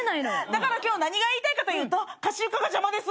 だから今日何が言いたいかというとかしゆかが邪魔です。